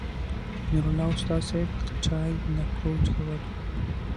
نور الله استاذ صېب د چاے نه ګوټ کولو